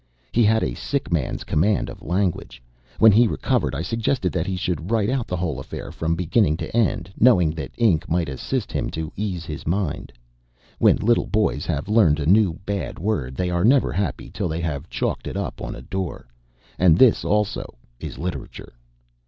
He had a sick man's command of language. When he recovered I suggested that he should write out the whole affair from beginning to end, knowing that ink might assist him to ease his mind. When little boys have learned a new bad word they are never happy till they have chalked it up on a door. And this also is Literature.